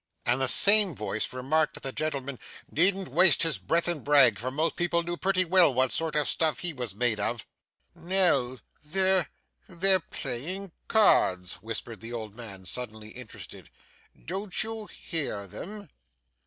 And the same voice remarked that the same gentleman 'needn't waste his breath in brag, for most people knew pretty well what sort of stuff he was made of.' 'Nell, they're they're playing cards,' whispered the old man, suddenly interested. 'Don't you hear them?